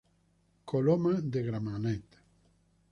Coloma de Gramenet.